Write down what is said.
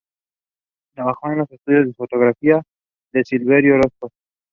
The island has machine gun nests and rifle pits.